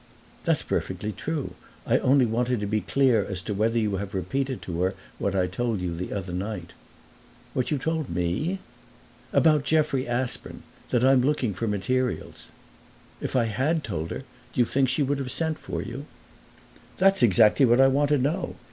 "That's perfectly true. I only wanted to be clear as to whether you have repeated to her what I told you the other night." "What you told me?" "About Jeffrey Aspern that I am looking for materials." "If I had told her do you think she would have sent for you?" "That's exactly what I want to know.